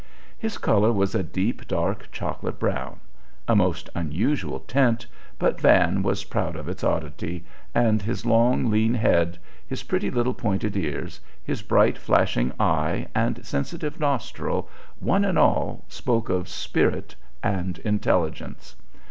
His color was a deep, dark chocolate brown; a most unusual tint, but Van was proud of its oddity, and his long, lean head, his pretty little pointed ears, his bright, flashing eye and sensitive nostril, one and all spoke of spirit and intelligence.